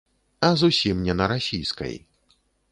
А зусім не на расійскай.